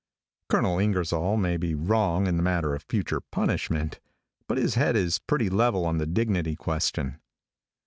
Colonel Ingersoll may be wrong in the matter of future punishment, but his head is pretty level on the dignity question.